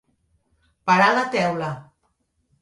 Parar la teula.